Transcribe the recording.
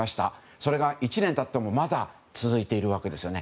それが１年経ってもまだ続いているわけですよね。